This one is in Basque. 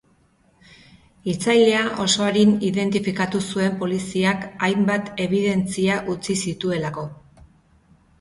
Hiltzailea oso arin identifikatu zuen poliziak hainbat ebidentzia utzi zituelako.